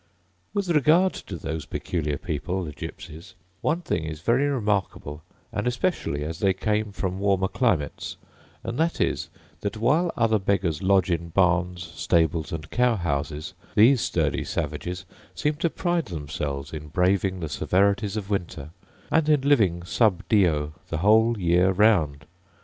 With regard to those peculiar people, the gypsies, one thing is very remarkable, and especially as they came from warmer climates; and that is, that while other beggars lodge in barns, stables, and cow houses, these sturdy savages seem to pride themselves in braving the severities of winter, and in living sub dio the whole year round.